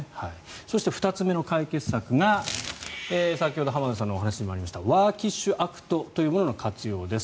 そして２つ目の解決策が先ほど浜田さんのお話にもありましたワーキッシュアクトというものの活用です。